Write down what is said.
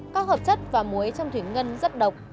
các hợp chất và muối trong thủy ngân rất độc